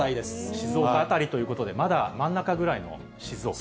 静岡辺りということで、まだ真ん中ぐらいの静岡。